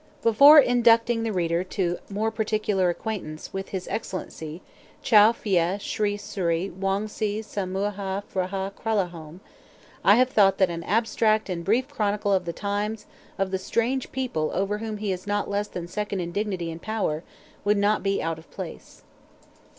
Before inducting the reader to more particular acquaintance with his Excellency Chow Phya Sri Sury Wongse Samuha P'hra Kralahome, I have thought that "an abstract and brief chronicle" of the times of the strange people over whom he is not less than second in dignity and power, would not be out of place.